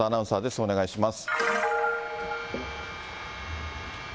お願いします。